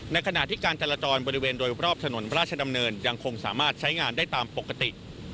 ขณะที่การจราจรบริเวณโดยรอบถนนพระราชดำเนินยังคงสามารถใช้งานได้ตามปกติ